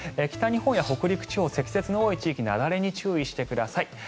北日本や北陸地方積雪の多い地域雪崩に注意してください。